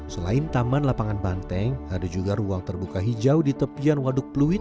selain taman lapangan banteng ada juga ruang terbuka hijau di tepian waduk pluit